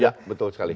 ya betul sekali